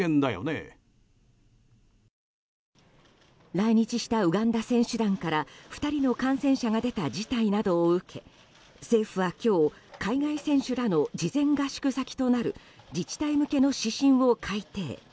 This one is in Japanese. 来日したウガンダ選手団から２人の感染者が出た事態などを受け政府は今日、海外選手らの事前合宿先となる自治体向けの指針を改定。